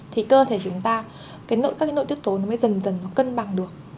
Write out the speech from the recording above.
thì cơ thể chúng ta các nội tiết tố nó mới dần dần cân bằng được